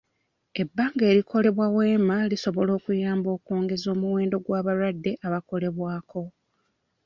Ebbanga erikolebwa weema lisobola okuyamba okwongeza omuwendo gw'abalwadde abakolebwako.